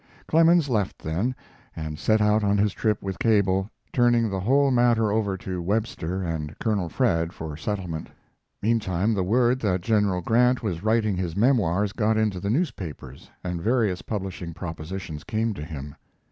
Clemens left then, and set out on his trip with Cable, turning the whole matter over to Webster and Colonel Fred for settlement. Meantime, the word that General Grant was writing his memoirs got into the newspapers and various publishing propositions came to him.